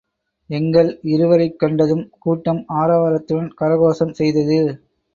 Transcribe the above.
எங்கள் இருவரைக் கண்டதும் கூட்டம் ஆரவாரத்துடன் கரகோஷம் செய்தது.